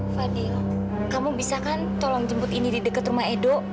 fadil kamu bisa kan tolong jemput ini di dekat rumah edo